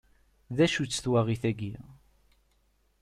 D acu-tt twaɣit-agi?